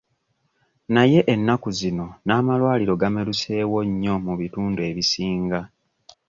Naye ennaku zino n'amalwaliro gameruseewo nnyo mu bitundu ebisinga.